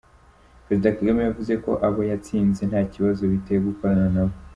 Perezida Kagame yavuze ko abo yatsinze nta kibazo biteye gukorana nabo.